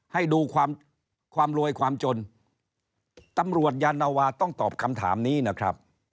ให้ดูความความรวยความจนตำรวจยานวาต้องตอบคำถามนี้นะครับ